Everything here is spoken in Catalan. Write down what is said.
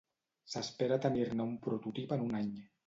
S'espera tenir-ne un prototip en un any.